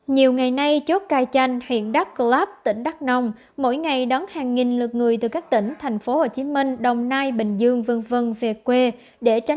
nhiều ngày nay chốt cai chanh huyện đắk lắp tỉnh đắk nông mỗi ngày đón hàng nghìn lượt người từ các tỉnh tp hcm đồng nai bình dương v v về quê